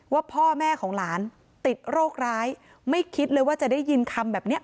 ว่าพ่อแม่ของหลานติดโรคร้ายไม่คิดเลยว่าจะได้ยินคำแบบเนี้ย